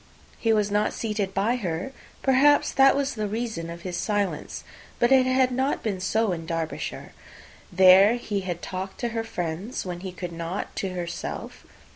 He was not seated by her: perhaps that was the reason of his silence; but it had not been so in Derbyshire. There he had talked to her friends when he could not to herself.